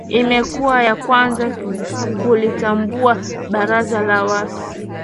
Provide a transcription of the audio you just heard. imekuwa ya kwanza kulitambua baraza la waasi